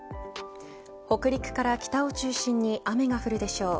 北陸から北を中心に雨が降るでしょう。